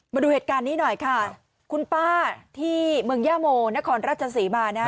มาดูเหตุการณ์นี้หน่อยค่ะคุณป้าที่เมืองย่าโมนครราชศรีมานะ